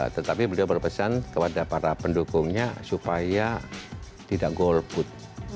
tetapi beliau berpesan kepada para pendukungnya supaya tidak golput